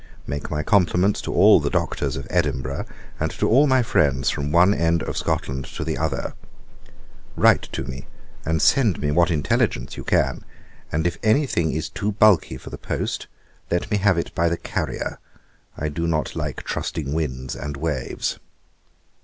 'Make my compliments to all the Doctors of Edinburgh, and to all my friends, from one end of Scotland to the other. 'Write to me, and send me what intelligence you can: and if any thing is too bulky for the post, let me have it by the carrier. I do not like trusting winds and waves.